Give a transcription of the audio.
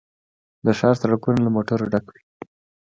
د ښار سړکونه له موټرو ډک وي